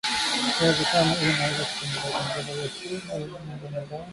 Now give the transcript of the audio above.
viazi vitam hivi vinaweza kutumika kutengeneza vyakula vingine mbali mbali